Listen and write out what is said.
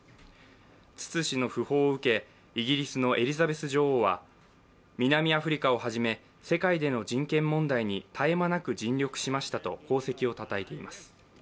ツツ氏の訃報を受け、イギリスのエリザベス女王は、南アフリカをはじめ世界での人権問題に絶え間なく尽力しましたと功績をたたえています。